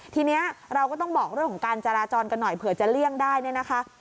ทีนี้เราก็ต้องบอกเรื่องของการจราจรกันหน่อยเผื่อจะเลี่ยงได้เนี่ยนะคะ